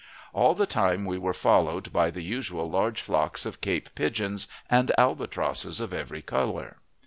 All the time we were followed by the usual large flocks of Cape pigeons and albatrosses of every color.